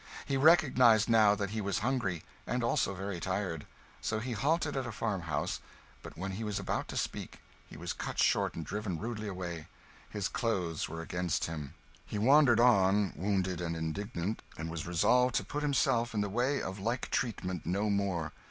He recognised, now, that he was hungry, and also very tired. So he halted at a farmhouse; but when he was about to speak, he was cut short and driven rudely away. His clothes were against him. He wandered on, wounded and indignant, and was resolved to put himself in the way of like treatment no more.